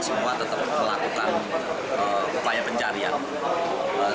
semua tetap melakukan upaya pencarian